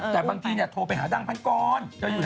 แต่บางทีโทรไปหาดังพันกร